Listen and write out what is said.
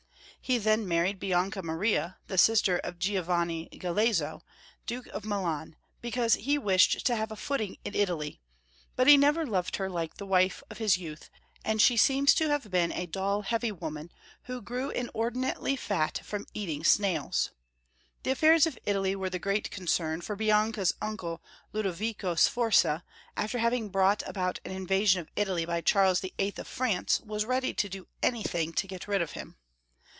He then married Bianca Maria, the sister of Gio vanni Galeazzo, Duke of Milan, because he wished to have a footing in Italy, but he never loved her like the wife of his youth, and she seems to have been a dull, heavy woman, who grew inordinately fat from eating snails. The affairs of Italy were the great concern, for Bianca's uncle, Ludovico Sforza, after having brought about an invasion of Italy by Charles VIII. of France, was ready to do anything to get rid of him.